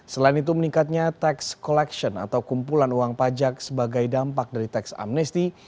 selain itu meningkatnya tax collection atau kumpulan uang pajak sebagai dampak dari teks amnesti